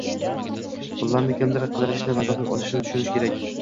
pullarni kimdir qidirishini va topib olishini tushunishi kerak.